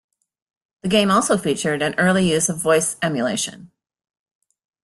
The game also featured an early use of voice emulation.